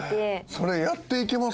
それやっていけます？